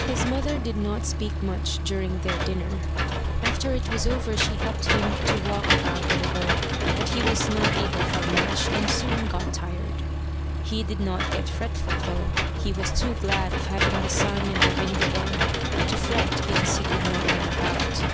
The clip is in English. His mother did not speak much during their dinner. After it was over she helped him to walk about a little, but he was not able for much and soon got tired. He did not get fretful, though. He was too glad of having the sun and the wind again, to fret because he could not run about.